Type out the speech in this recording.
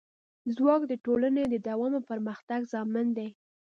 ځواک د ټولنې د دوام او پرمختګ ضامن دی.